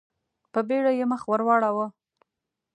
په بېړه يې مخ ور واړاوه.